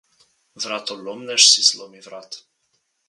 Vratolomnež si zlomi vrat.